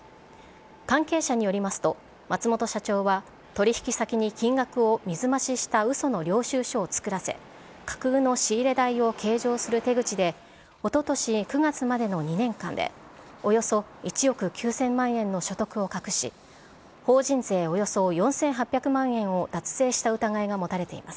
関係者によりますと、松本社長は、取り引き先に金額を水増ししたうその領収書を作らせ、架空の仕入れ代を計上する手口で、おととし９月までの２年間で、およそ１億９０００万円の所得を隠し、法人税およそ４８００万円を脱税した疑いが持たれています。